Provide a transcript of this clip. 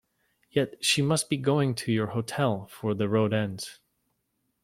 Yet she must be going to your hotel, for the road ends.